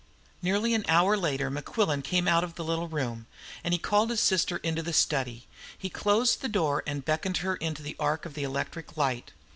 Nearly an hour later Mequillen came out of the little room, and called his sister into the study. He closed the door, and beckoned her into the arc of the electric light.